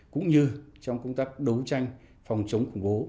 cũng như trong công tác đấu tranh phòng chống khủng bố